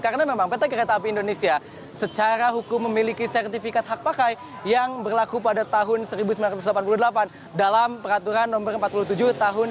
karena memang pt kereta api indonesia secara hukum memiliki sertifikat hak pakai yang berlaku pada tahun seribu sembilan ratus delapan puluh delapan dalam peraturan nomor empat puluh tujuh tahun seribu sembilan ratus delapan puluh delapan